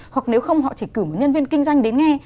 hoặc nếu không họ chỉ cử một nhân viên kinh doanh đến ngay